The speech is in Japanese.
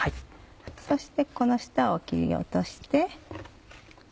そしてこの下を切り落として。